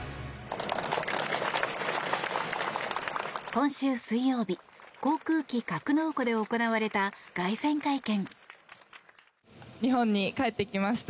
今週水曜日航空機格納庫で行われた凱旋会見。